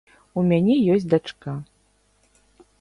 У мяне ёсць дачка.